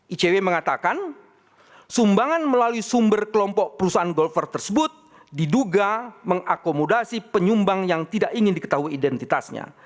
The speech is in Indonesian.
icw mengatakan sumbangan melalui sumber kelompok perusahaan golfer tersebut diduga mengakomodasi penyumbang yang tidak ingin diketahui identitasnya